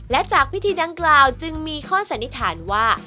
และจากพิธีดังกล่าวจึงมีข้อสันนิษฐานว่า